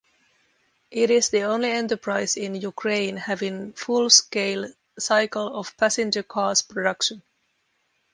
It is the only enterprise in Ukraine having full-scale cycle of passenger cars production.